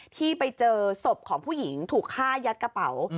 ที่ไปเจอศพของผู้หญิงถูกฆ่ายัดกระเป๋า